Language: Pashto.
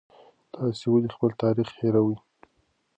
تاسې ولې خپل تاریخ هېروئ؟